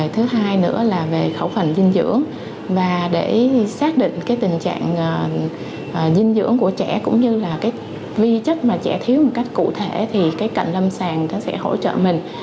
thứ hai nữa là về khẩu phần dinh dưỡng và để xác định tình trạng dinh dưỡng của trẻ cũng như là vi chất mà trẻ thiếu một cách cụ thể thì cạnh lâm sàng sẽ hỗ trợ mình